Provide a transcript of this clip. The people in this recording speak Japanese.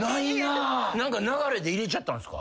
何か流れで入れちゃったんすか？